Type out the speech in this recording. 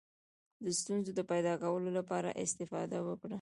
د ستونزو د پیدا کولو لپاره استفاده وکړه.